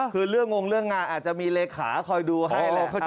คือเรื่องงงเรื่องงานอาจจะมีเลขาคอยดูให้ช่า